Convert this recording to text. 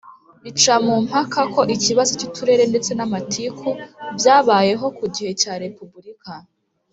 bicamumpaka ko ikibazo cy' uturere ndetse n'amatiku byabayeho ku gihe cya repubulika.